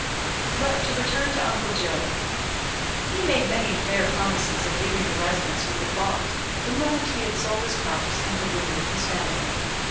But to return to Uncle Joe. He made many fair promises of leaving the residence we had bought, the moment he had sold his crops and could remove his family.